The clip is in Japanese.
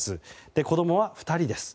子供は２人です。